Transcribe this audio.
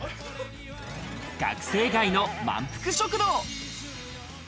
学生街のまんぷく食堂。